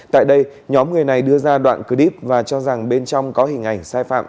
tại đây nhóm người này đưa ra đoạn clip và cho rằng bên trong có hình ảnh sai phạm